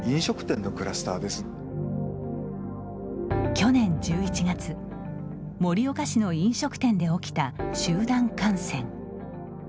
去年１１月盛岡市の飲食店で起きた集団感染。